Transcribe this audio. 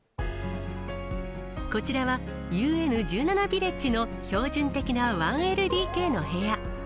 こちらは、ＵＮ１７ビレッジの標準的な１ＬＤＫの部屋。